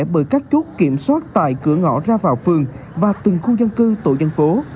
bởi các chốt kiểm soát tại cửa ngõ ra vào phường và từng khu dân cư tổ dân phố